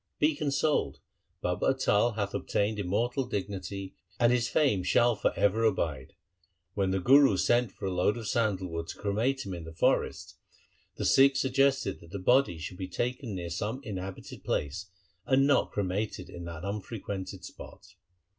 Be con soled. Baba Atal hath obtained immortal dignity and his fame shall for ever abide.' When the Guru sent for a load of sandal wood to cremate him in the forest, the Sikhs suggested that the body should be taken near some inhabited place and not cremated in that unfrequented spot.